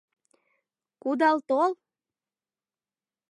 Кудал тол!